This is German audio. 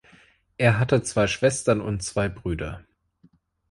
Er hatte zwei Schwestern und zwei Brüder.